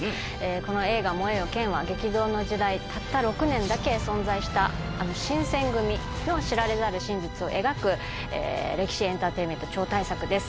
この映画『燃えよ剣』は激動の時代たった６年だけ存在した新選組の知られざる真実を描く歴史エンターテインメント超大作です。